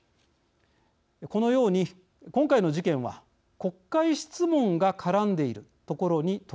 このように今回の事件は国会質問が絡んでいるところに特徴があります。